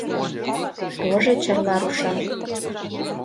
Тоже Чарла рушан.